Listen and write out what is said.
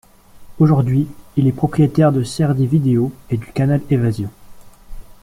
Aujourd'hui il est propriétaire de Serdy Vidéo et du Canal Évasion.